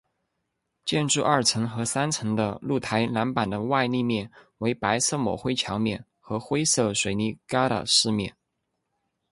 建筑二层和三层的露台栏板的外立面为白色抹灰墙面和灰色水泥疙瘩饰面。